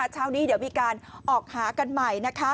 เช้านี้เดี๋ยวมีการออกหากันใหม่